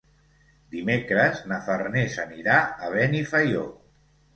Dimecres na Farners anirà a Benifaió.